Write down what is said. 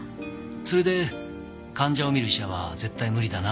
それで患者を診る医者は絶対無理だなと思って。